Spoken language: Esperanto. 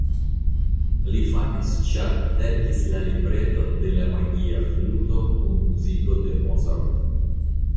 Li famis ĉar verkis la libreton de La magia fluto kun muziko de Mozart.